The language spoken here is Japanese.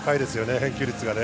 返球率がね。